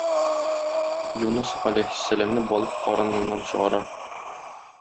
Юныс галәйһиссәламне балык карыныннан чыгара.